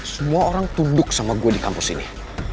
semua orang tunduk sama gue di kampus ini